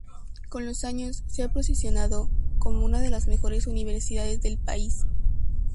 Con los años, se ha posicionado como una de las mejores universidades del país.